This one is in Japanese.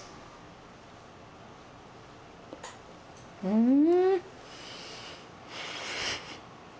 うん。